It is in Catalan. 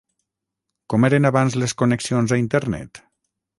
Com eren abans les connexions a internet?